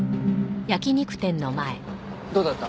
どうだった？